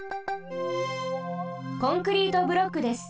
コンクリートブロックです。